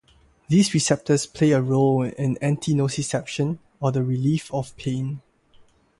These receptors play a role in antinociception, or the relief of pain.